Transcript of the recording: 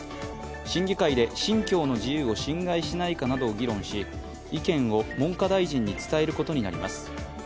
審議会で信教の自由を侵害しないかなどを議論し意見を文科大臣に伝えることになります。